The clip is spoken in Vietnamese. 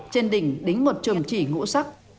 trên đỉnh đính một trùm chỉ ngũ sắc